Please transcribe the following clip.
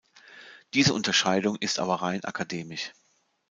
Diese Unterscheidung ist aber rein akademisch.